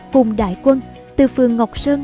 cùng đại quân từ phường ngọc sơn